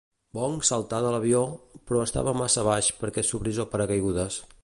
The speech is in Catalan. Bong saltà de l'avió, però estava massa baix perquè s'obrís el paracaigudes.